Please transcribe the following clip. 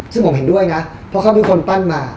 ซึ่งผมเห็นด้วยนะเพราะเขาเป็นคนปั้นมา